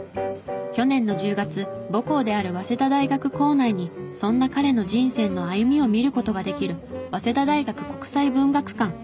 去年の１０月母校である早稲田大学構内にそんな彼の人生の歩みを見る事ができる早稲田大学国際文学館